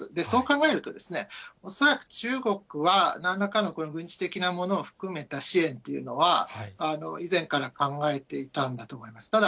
そう考えると、恐らく中国は、なんらかの軍事的なものを含めた支援というのは、以前から考えていたんだと思います。